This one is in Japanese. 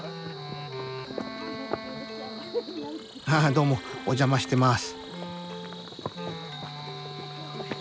ハハッどうもお邪魔してます。